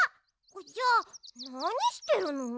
じゃあなにしてるの？